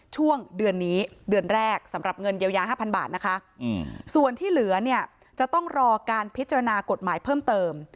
ช่วงเดือนนี้เดือนแรกสำหรับเงินเยียวยา๕๐๐บาทนะคะส่วนที่เหลือเนี่ยจะต้องรอการพิจารณากฎหมายเพิ่มเติม